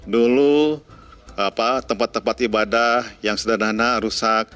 dulu tempat tempat ibadah yang sederhana rusak